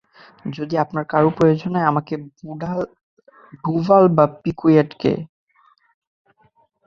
যদি আপনার কারো প্রয়োজন হয় আমাকে, ডুভাল বা পিকুয়েট কে?